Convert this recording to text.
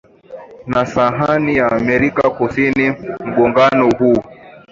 na sahani ya Amerika Kusini Mgongano huu